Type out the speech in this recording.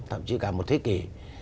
thậm chí cả một thế kỷ